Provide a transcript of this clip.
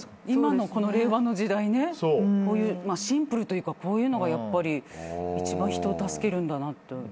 今のこの令和の時代シンプルというかこういうのがやっぱり一番人を助けるんだなって。